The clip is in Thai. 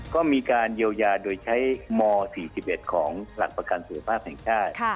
ก็มีการเยียวยาโดยใช้ม๔๑ของหลักประกันสุขภาพแห่งชาติ